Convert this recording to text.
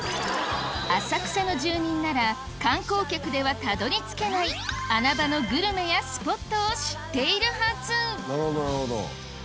浅草の住人なら観光客ではたどり着けない穴場のグルメやスポットを知っているはずなるほど。